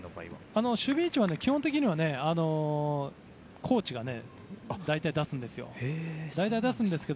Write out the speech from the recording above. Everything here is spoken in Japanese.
守備位置は基本的にはコーチが出すんですよ。